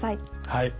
はい。